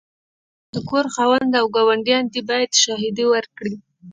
د کور خاوند او ګاونډیان دي باید شاهدې ورکړې.